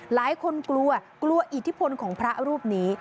หลายคนกลัวกลัวอิทธิพลของพระรูปนี้